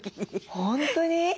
本当に？